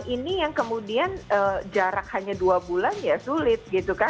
ini yang kemudian jarak hanya dua bulan sulit